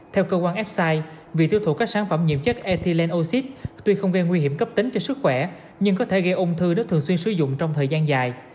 theo cơ quan f side vị tiêu thụ các sản phẩm nhiệm chất ethylene oxide tuy không gây nguy hiểm cấp tính cho sức khỏe nhưng có thể gây ung thư nếu thường xuyên sử dụng trong thời gian dài